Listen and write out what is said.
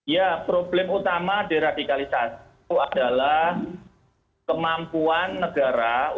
ya problem utama deradikalisasi itu adalah kemampuan negara untuk terus membersamai para masyarakat